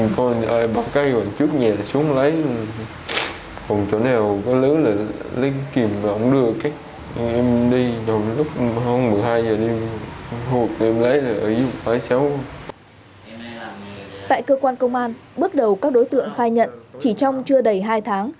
tại cơ quan công an bước đầu các đối tượng khai nhận chỉ trong chưa đầy hai tháng